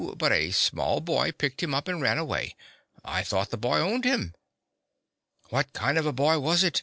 But a small boy picked him up and ran away. I thought the boy owned him." " What kind of a boy was it